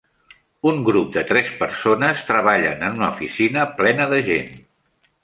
Un grup de tres persones treballen en una oficina plena de gent.